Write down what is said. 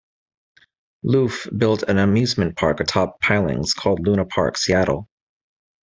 Looff built an amusement park atop pilings called Luna Park, Seattle.